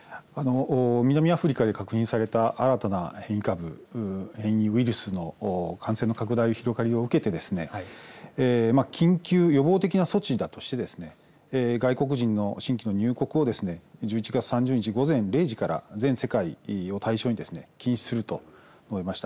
南アフリカで確認された新たな変異株変異ウイルスの感染の拡大の広がりを受けて緊急予防的な措置として外国人の新規入国を１１月３０日午前０時から全世界を対象に禁止すると述べました。